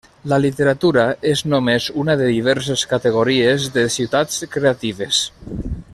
La literatura és només una de diverses categories de Ciutats Creatives.